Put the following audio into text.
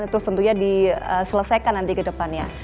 terus tentunya diselesaikan nanti ke depannya